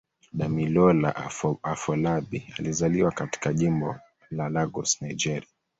Damilola Afolabi alizaliwa katika Jimbo la Lagos, Nigeria.